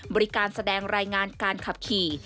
บริการแสดงรายงานการขับขี่